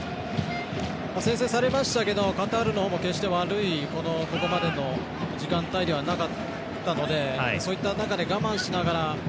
先制されましたけどカタールのほうも決して悪い、ここまでの時間帯ではなかったのでそういった中で我慢しながら